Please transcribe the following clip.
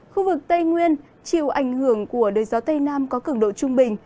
khu vực tây nguyên chịu ảnh hưởng của đời gió tây nam có cực độ trung bình